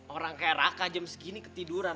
orang kayak raka jam segini ketiduran